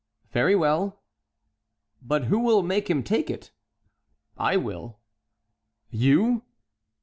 "Very well." "But who will make him take it?" "I will." "You?"